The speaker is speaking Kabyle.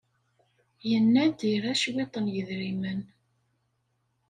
Yenna-d ira cwiṭ n yedrimen.